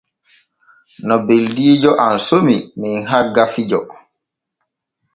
No beldiijo am somi men hagga fijo.